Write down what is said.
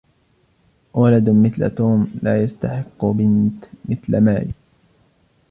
ولد مثل توم لا يستحق بنت مثل ماري.